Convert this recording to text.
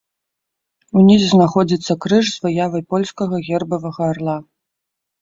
Унізе знаходзіцца крыж з выявай польскага гербавага арла.